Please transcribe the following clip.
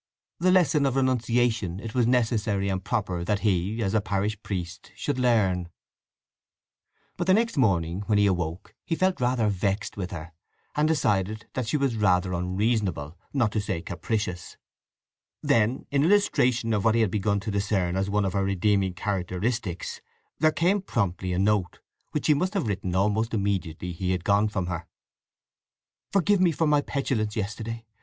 The lesson of renunciation it was necessary and proper that he, as a parish priest, should learn. But the next morning when he awoke he felt rather vexed with her, and decided that she was rather unreasonable, not to say capricious. Then, in illustration of what he had begun to discern as one of her redeeming characteristics there came promptly a note, which she must have written almost immediately he had gone from her: Forgive me for my petulance yesterday!